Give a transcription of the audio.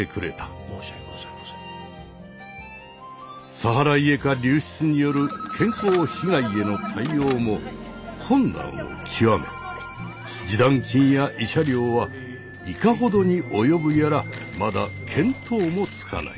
サハライエカ流出による健康被害への対応も困難を極め示談金や慰謝料はいかほどに及ぶやらまだ見当もつかない。